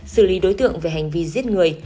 xử lý đối tượng về hành vi giết người